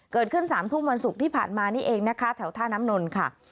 เกิดขึ้น๓ทุ่มวันศุกร์ที่ผ่านมานี่เองนะคะแถวท่าน้ำนนท์ค่ะ